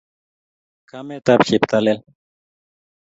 kamet ap cheptailel